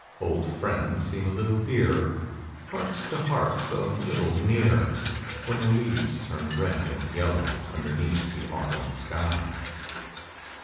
d Old 'friends seem a little dearer; Hearts to Hearts a little nearer, ( ADhen the leases turn red and Ljello^ Underneath the Autumn shij.